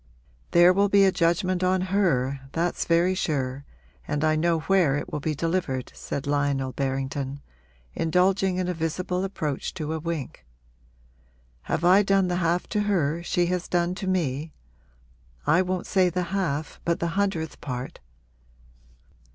'There will be a judgment on her that's very sure, and I know where it will be delivered,' said Lionel Berrington, indulging in a visible approach to a wink. 'Have I done the half to her she has done to me? I won't say the half but the hundredth part?